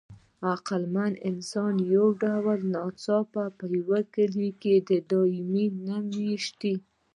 د عقلمن انسان یوه ډله ناڅاپه په یوه کلي کې دایمي نه مېشتېده.